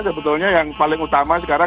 sebetulnya yang paling utama sekarang